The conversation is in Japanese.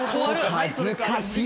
恥ずかしい。